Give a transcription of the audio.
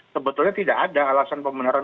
sebetulnya tidak ada alasan pembenaran